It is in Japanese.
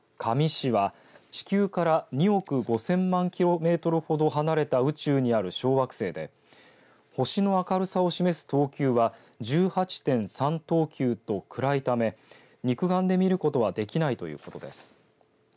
Ｋａｍｉｓｈｉは地球から２億５０００万キロメートルほど離れた宇宙にある小惑星で星の明るさを示す等級は１８．３等級と暗いため、肉眼で見ることはできないということです。